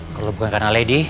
kalau bukan karena lady